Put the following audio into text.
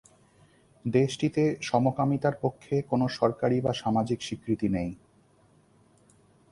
দেশটিতে সমকামিতার পক্ষে কোনো সরকারী বা সামাজিক স্বীকৃতি নেই।